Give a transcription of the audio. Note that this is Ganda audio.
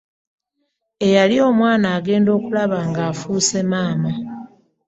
Eyali omwana ogenda okulaba ng'afuuse maama.